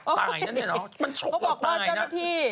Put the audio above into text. ด้วยหน้ากลัวขนลุก